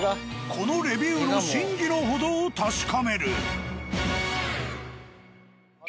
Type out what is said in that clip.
このレビューの真偽の程を確かめる。